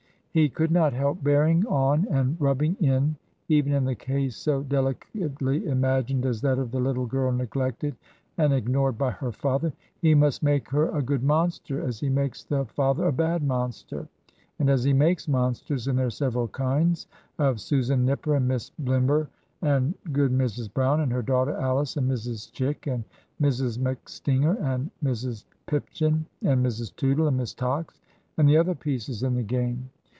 He could not help bearing on and rubbing in, even in the case so delicately imagined as that of the little girl neglected and ignored by her father; he must make her a good monster as he makes the fa ther a bad monster ; and as he makes monsters, in their several kinds, of Susan Nipper and Miss Blimber and "good" Mrs. Brown and her daughter Alice and Mrs. Chick and Mrs. MacStinger and Mrs. Pipchin and Mrs. Toodle and Miss Tox and the other pieces in the game.